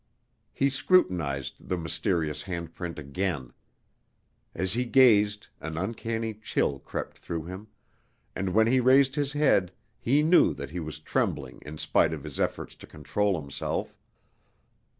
He scrutinized the mysterious handprint again. As he gazed an uncanny chill crept through him, and when he raised his head he knew that he was trembling in spite of his efforts to control himself.